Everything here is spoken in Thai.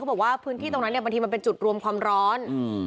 บอกว่าพื้นที่ตรงนั้นเนี่ยบางทีมันเป็นจุดรวมความร้อน